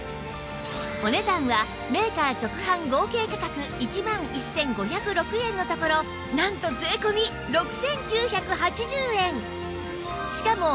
お値段はメーカー直販合計価格１万１５０６円のところなんと税込６９８０円